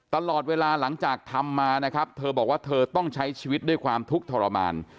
ตลอดเวลาหลังจากทำมานะครับเธอบอกว่าเธอต้องใช้ชีวิตด้วยความทุกข์ทรมาน